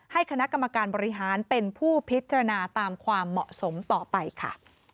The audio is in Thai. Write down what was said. ให้คณะกรรมการบริหารเป็นผู้พิจารณาตามความเหมาะสมต่อไปค่ะ